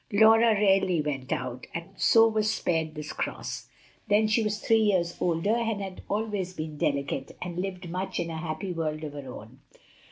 Laura rarely went out, and so was spared this cross; then she was three years older, had always been delicate, and lived much in a happy world of her own.